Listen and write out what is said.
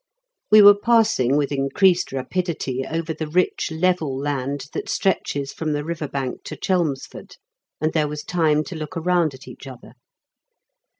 We were passing with increased rapidity over the rich level land that stretches from the river bank to Chelmsford, and there was time to look round at each other.